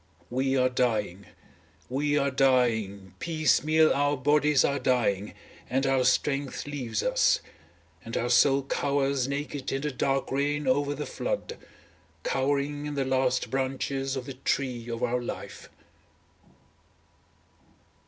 We are dying, we are dying, piecemeal our bodies are dying and our strength leaves us, and our soul cowers naked in the dark rain over the flood, cowering in the last branches of the tree of our life.